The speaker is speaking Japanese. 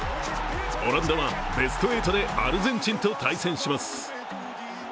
オランダはベスト８でアルゼンチンと対戦します。